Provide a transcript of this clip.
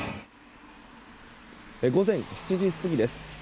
午前７時過ぎです。